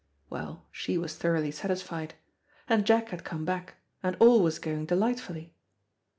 well, she was thoroughly satisfied. And Jack had come back, and all was going delightfully.